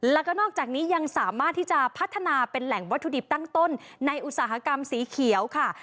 แล้วก็นอกจากนี้ยังสามารถที่จะพัฒนาเป็นแหล่งวัตถุดิบตั้งต้นในอุตสาหกรรมสีเขียวค่ะ